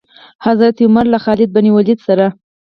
حضرت عمر له خالد بن ولید سره.